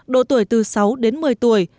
độ tuổi từ sáu đến một mươi tuổi